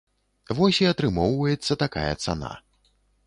Вось і атрымоўваецца такая цана.